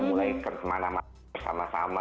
mulai kemana mana bersama sama